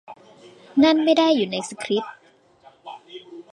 นั่นไม่ได้อยู่ในสคริปต์